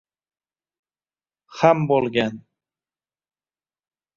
ham bo’lgan…